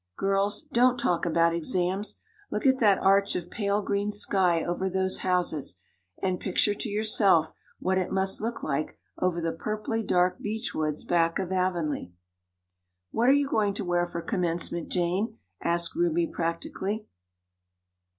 Girls, don't talk about exams! Look at that arch of pale green sky over those houses and picture to yourself what it must look like over the purply dark beech woods back of Avonlea." "What are you going to wear for commencement, Jane?" asked Ruby practically.